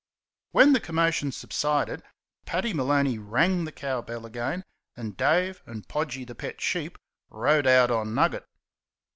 When the commotion subsided Paddy Maloney rang the cow bell again, and Dave and "Podgy," the pet sheep, rode out on Nugget.